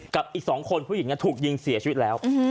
กับอีกสองคนผู้หญิงกันถูกยิงเสียชีวิตแล้วอือฮือ